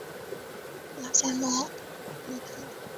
拉谢纳洛特。